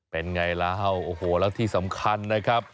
เป็นไงล่ะโอ้โหแล้วที่สำคัญนะครับ